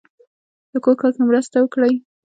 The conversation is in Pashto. د کور کار کې مرسته وکړئ